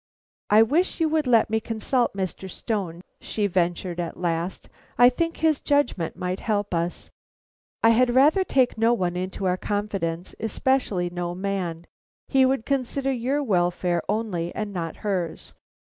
"I wish you would let me consult Mr. Stone," she ventured at last. "I think his judgment might help us." "I had rather take no one into our confidence, especially no man. He would consider your welfare only and not hers."